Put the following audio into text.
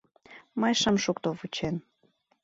Мый шым шукто вучен: